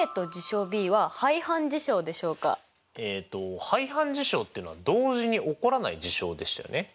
このベン図のえっと排反事象というのは同時に起こらない事象でしたよね。